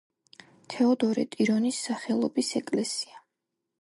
თეოდორე ტირონის სახელობის ეკლესია.